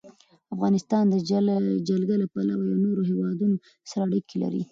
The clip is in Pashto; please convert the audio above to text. افغانستان د جلګه له پلوه له نورو هېوادونو سره اړیکې لري.